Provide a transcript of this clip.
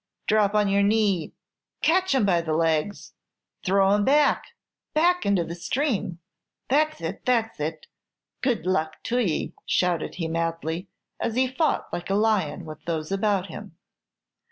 "Drop on your knee catch him by the legs throw him back back into the stream. That's it that's it! Good luck to ye!" shouted he, madly, as he fought like a lion with those about him.